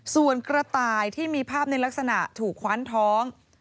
ส่วนกระต่ายที่มีภาพในลักษณะถูกคว้านท้อง